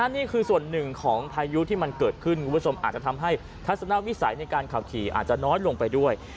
นี่คือส่วนหนึ่งของพายุที่มันเกิดขึ้นคุณผู้ชมอาจจะทำให้ทัศนวิสัยในการขับขี่อาจจะน้อยลงไปด้วย